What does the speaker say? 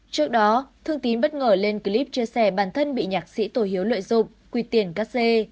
trước đó thương tín bất ngờ lên clip chia sẻ bản thân bị nhạc sĩ tô hiếu lợi dụng quy tiền cắt xe